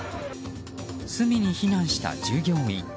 隅に避難した従業員。